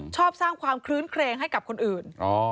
ชอบสร้างความคลื้นเครงให้กับคนอื่น